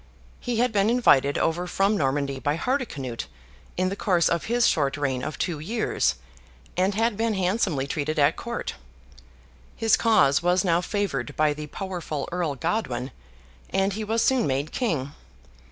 He had been invited over from Normandy by Hardicanute, in the course of his short reign of two years, and had been handsomely treated at court. His cause was now favoured by the powerful Earl Godwin, and he was soon made King.